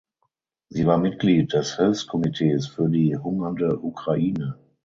Sie war Mitglied des Hilfskomitees für die hungernde Ukraine.